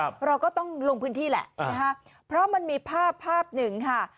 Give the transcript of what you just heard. เราก็ต้องลงพื้นที่แหละนะฮะเพราะมันมีภาพภาพหนึ่งค่ะ